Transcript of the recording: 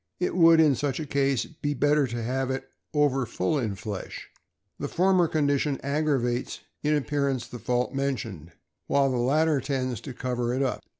It would, in such a case, be better to have it over full in flesh. The former condition aggravates in ap pearance the fault mentioned, while the latter tends to cover it up.